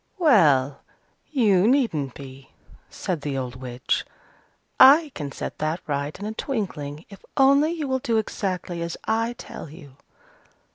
"Well, you needn't be," said the old witch. "I can set that right in a twinkling, if only you will do exactly as I tell you.